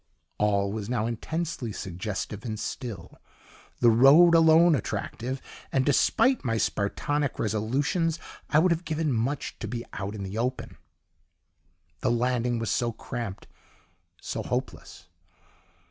All was now intensely suggestive and still, the road alone attractive; and despite my spartonic resolutions I would have given much to be out in the open. The landing was so cramped, so hopeless.